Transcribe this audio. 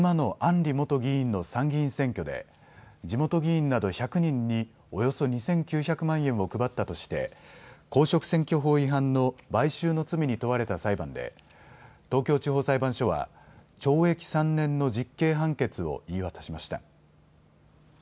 里元議員の参議院選挙で地元議員など１００人におよそ２９００万円を配ったとして公職選挙法違反の買収の罪に問われた裁判で東京地方裁判所は懲役３年の実刑判決を言い渡しました。